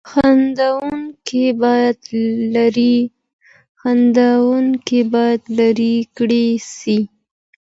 خنډونه بايد لري کړل سي.